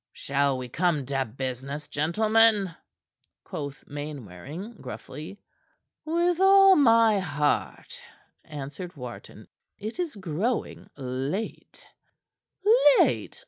"Shall we come to business, gentlemen?" quoth Mainwaring gruffly. "With all my heart," answered Wharton. "It is growing late." "Late!